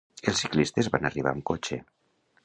Els ciclistes van arribar amb cotxe.